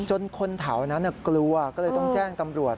คนแถวนั้นกลัวก็เลยต้องแจ้งตำรวจ